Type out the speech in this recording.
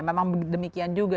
memang demikian juga